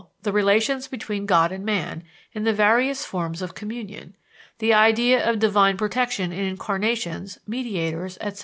the relations between God and man, in the various forms of communion; the idea of divine protection in incarnations, mediators, etc.